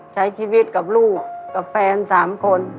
ใช้ชีวิตกับลูกกับแฟน๓คน